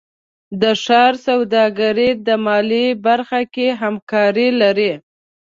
د ښار سوداګرۍ د مالیې برخه کې همکاري لري.